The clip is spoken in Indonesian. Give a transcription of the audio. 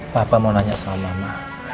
papa mau tanya sama ma